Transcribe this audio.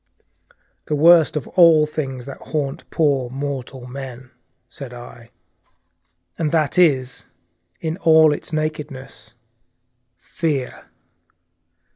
"The worst of all the things that haunt poor mortal men," said I; "and that is, in all its nakedness 'Fear!